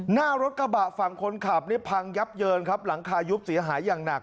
หน้ารถกระบะฝั่งคนขับนี่พังยับเยินครับหลังคายุบเสียหายอย่างหนัก